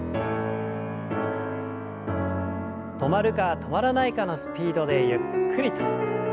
止まるか止まらないかのスピードでゆっくりと。